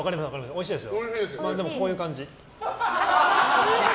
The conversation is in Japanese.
おいしいです。